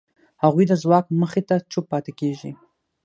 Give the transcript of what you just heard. هغوی د ځواک مخې ته چوپ پاتې کېږي.